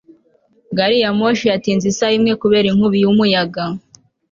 gari ya moshi yatinze isaha imwe kubera inkubi y'umuyaga